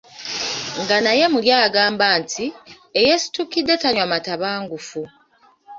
Nga naye muli agamba nti, “Eyeesitukidde tanywa matabangufu”.